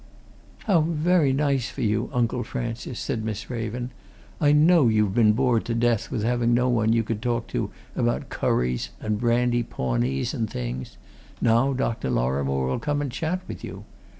"How very nice for you, Uncle Francis!" said Miss Raven. "I know you've been bored to death with having no one you could talk to about curries and brandy pawnees and things now Dr. Lorrimore will come and chat with you.